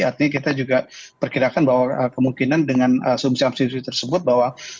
artinya kita juga perkirakan bahwa kemungkinan dengan asumsi asumsi tersebut bahwa